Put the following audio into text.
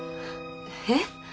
えっ？